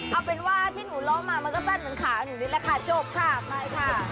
เอาเป็นว่าที่หนูล้อมามันก็สั้นเหมือนขาหนูนี่แหละค่ะจบค่ะไปค่ะ